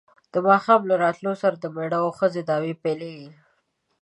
د ماښام له راتلو سره د مېړه او ښځې دعوې پیلېږي.